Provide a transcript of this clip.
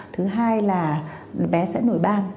thứ hai là bé sẽ nổi ban